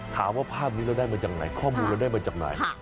ภาพนี้เราได้มาจากไหนข้อมูลเราได้มาจากไหน